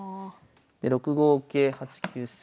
６五桂８九飛車